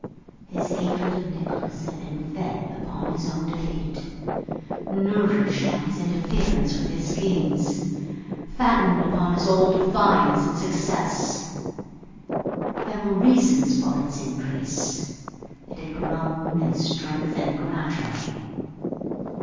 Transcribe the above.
His hatred of Nicholas had been fed upon his own defeat, nourished on his interference with his schemes, fattened upon his old defiance and success. There were reasons for its increase; it had grown and strengthened gradually.